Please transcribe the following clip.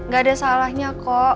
gak ada salahnya kok